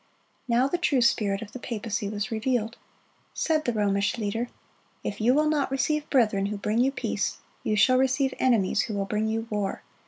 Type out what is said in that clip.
Now the true spirit of the papacy was revealed. Said the Romish leader: "If you will not receive brethren who bring you peace, you shall receive enemies who will bring you war.